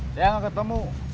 saya gak ketemu